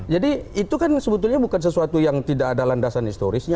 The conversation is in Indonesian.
jadi itu kan sebetulnya bukan sesuatu yang tidak ada landasan historisnya